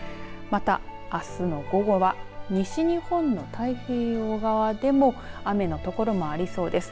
また、あすの午後は西日本の太平洋側でも雨の所もありそうです。